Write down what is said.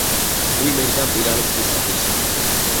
ვინმე ჯდა მტირალი წყლისა პირსა